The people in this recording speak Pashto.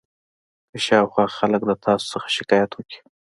که شاوخوا خلک له تاسې نه شکایت وکړي.